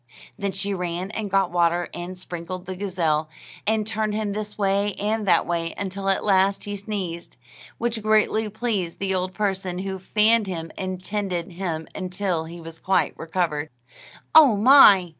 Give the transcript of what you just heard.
Then she ran and got water, and sprinkled the gazelle, and turned him this way and that way, until at last he sneezed; which greatly pleased the old person, who fanned him and tended him until he was quite recovered. "Oh, my!"